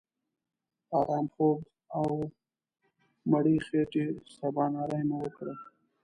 آرام خوب او مړې خېټې سباناري مو وکړه.